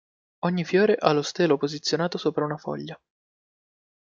Ogni fiore ha lo stelo posizionato sopra una foglia.